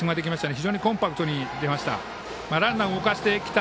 非常にコンパクトに打てました。